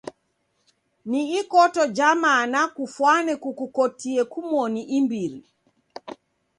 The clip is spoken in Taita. Ni ikoto ja mana kufwane kukukotie kumoni imbiri.